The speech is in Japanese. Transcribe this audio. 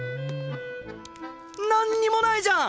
なんにもないじゃん！